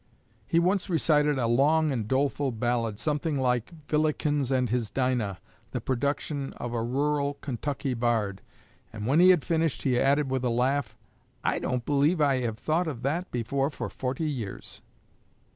He once recited a long and doleful ballad, something like "Vilikins and his Dinah," the production of a rural Kentucky bard, and when he had finished he added with a laugh, "I don't believe I have thought of that before for forty years."